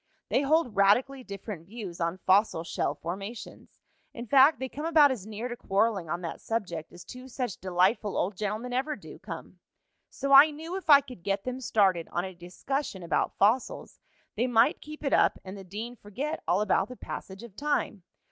They hold radically different views on fossil shell formations. In fact, they come about as near to quarreling on that subject as two such delightful old gentlemen ever do come. So I knew if I could get them started on a discussion about fossils they might keep it up and the dean forget all about the passage of time.